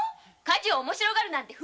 火事を面白がるなんて。